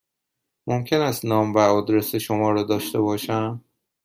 ممکن است نام و آدرس شما را داشته باشم؟